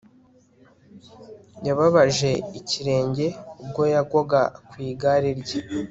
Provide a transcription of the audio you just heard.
Yababaje ikirenge ubwo yagwaga ku igare rye